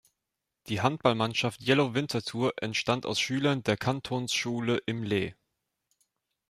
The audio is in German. Die Handballmannschaft Yellow Winterthur entstand aus Schülern der Kantonsschule Im Lee.